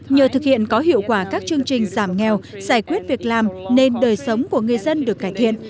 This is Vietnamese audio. nhờ thực hiện có hiệu quả các chương trình giảm nghèo giải quyết việc làm nên đời sống của người dân được cải thiện